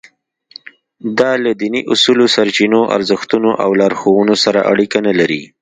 دا له دیني اصولو، سرچینو، ارزښتونو او لارښوونو سره اړیکه نه لري.